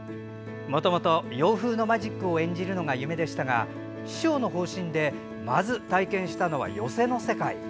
もともと洋風のマジックを演じるのが夢でしたが師匠の方針でまず体験したのは寄席の世界。